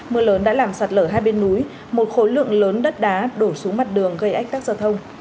mưa lớn đã làm sạt lở hai bên núi một khối lượng lớn đất đá đổ xuống mặt đường gây ách tắc giao thông